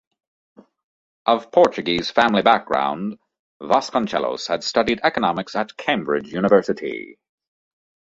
Of Portuguese family background, Vasconcellos had studied economics at Cambridge University.